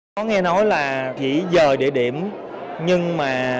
có nghe nói là chỉ giờ địa điểm nhưng mà